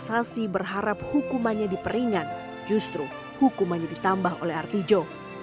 algojo mengajukan kasasi berharap hukumannya diperingan justru hukumannya ditambah oleh artijo